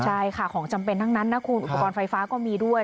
ใช่ค่ะของจำเป็นทั้งนั้นนะคุณอุปกรณ์ไฟฟ้าก็มีด้วย